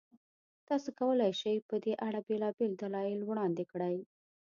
تاسو کولای شئ، په دې اړه بېلابېل دلایل وړاندې کړئ.